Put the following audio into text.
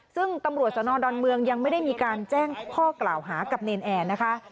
ซึ่งตำรวจสนดอนเมืองยังไม่ได้มีการแจ้งข้อกล่าวหากับเนรนแอร์นะคะ